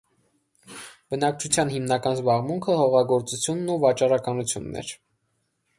Բնակչության հիմնական զբաղմունքը հողագործությունն ու վաճառականությունն էր։